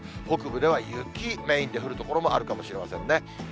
北部では、雪メインで降る所もあるかもしれませんね。